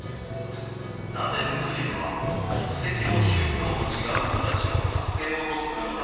なぜムスリムは国籍も宗教も違う人たちを助けようとするのだろう